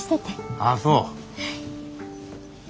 ああそう。